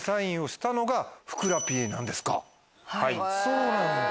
そうなんだ。